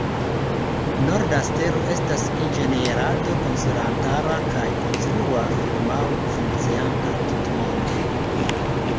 Norda Stelo estas inĝenierado-konsilantara kaj konstrua firmao funkcianta tutmonde.